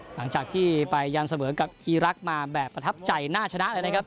หลังจากที่ไปยันเสมอกับอีรักษ์มาแบบประทับใจน่าชนะเลยนะครับ